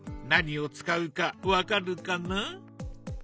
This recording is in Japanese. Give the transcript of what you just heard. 何を使うか分かるかな？